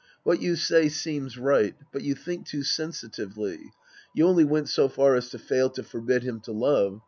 What you say seems right, but you think too sensftively. You only went so far as to fail to forbid him to love.